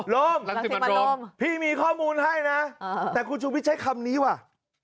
โมพี่มีข้อมูลให้นะแต่คุณชูวิทย์ใช้คำนี้ว่ะ